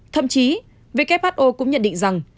thậm chí who cũng nhận định rằng